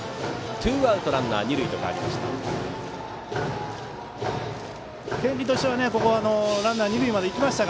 ツーアウトランナー、二塁に変わりました。